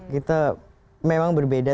kita memang berbeda